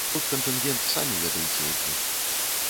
Тут кантынгент самі ведаеце, які.